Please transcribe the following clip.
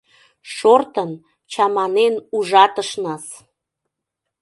Шортын, чаманен ужатышнас!